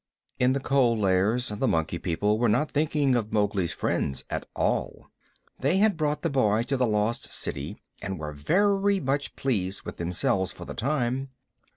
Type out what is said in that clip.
In the Cold Lairs the Monkey People were not thinking of Mowgli's friends at all. They had brought the boy to the Lost City, and were very much pleased with themselves for the time.